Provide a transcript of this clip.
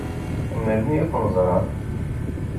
Melmi ad ken-ẓṛen?